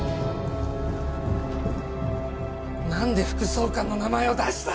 なんで副総監の名前を出した！？